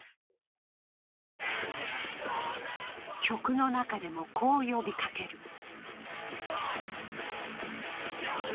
曲の中でもこう呼びかける。